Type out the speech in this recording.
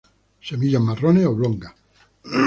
Semillas marrones, oblongas.